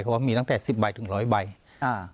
เพราะว่ามีตั้งแต่สิบใบถึงร้อยใบอ่า